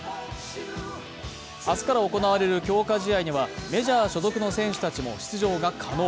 明日から行われる強化試合にはメジャー所属の選手たちも出場が可能。